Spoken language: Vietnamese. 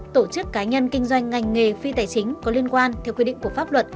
tổ chức cá nhân kinh doanh ngành nghề phi tài chính có liên quan theo quy định của pháp luật